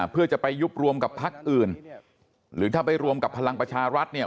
เพื่อจะไปยุบรวมกับพักอื่นหรือถ้าไปรวมกับพลังประชารัฐเนี่ย